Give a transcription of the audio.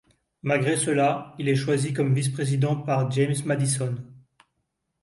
Malgré cela, il est choisi comme vice-président par James Madison.